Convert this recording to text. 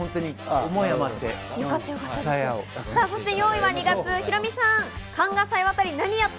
４位は２月、ヒロミさん。